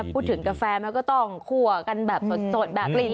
กาแฟมันก็ต้องคั่วกันแบบสดแบบนี้